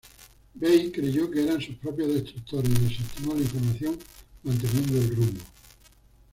Bey creyó que eran sus propios destructores y desestimó la información manteniendo el rumbo.